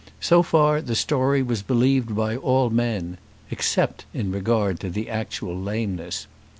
So far the story was believed by all men, except in regard to the actual lameness.